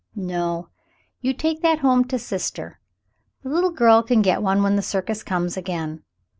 "No, you take that home to sister. The little girl can get one when the circus comes again."